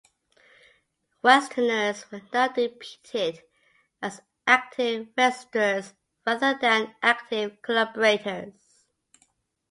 Westerners were now depicted as active resistors rather than active collaborators.